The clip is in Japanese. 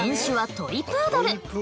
トイ・プードル。